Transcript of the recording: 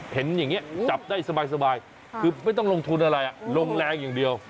เห็นอย่างนี้จับได้สบายคือไม่ต้องลงทุนอะไรลงแรงอย่างเดียว